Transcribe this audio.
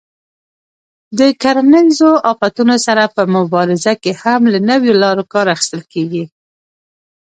د کرنیزو آفتونو سره په مبارزه کې هم له نویو لارو کار اخیستل کېږي.